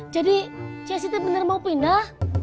jadi chessy tuh bener mau pindah